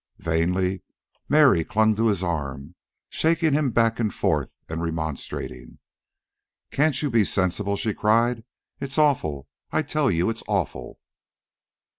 Vainly Mary clung to his arm, shaking him back and forth and remonstrating. "Can't you be sensible?" she cried. "It's awful! I tell you it's awful!"